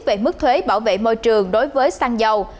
về mức thuế bảo vệ môi trường đối với xăng dầu